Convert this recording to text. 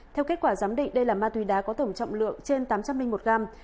theo kết quả giám định đây là ma túy đá có tổng trọng lượng trên tám trăm linh một gram